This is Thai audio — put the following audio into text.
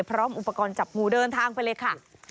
พร้อมอุปกรณ์จับงูเดินทางไปเลยค่ะ